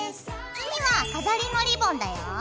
次は飾りのリボンだよ。